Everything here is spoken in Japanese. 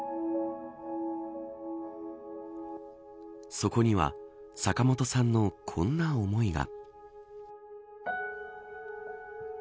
そこには、坂本さんのこんな思いが。